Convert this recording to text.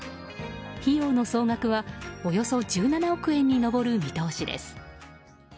費用の総額はおよそ１７億円に上る見通しです。